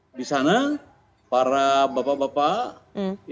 mungkin setelah tiga puluh hari m glass kan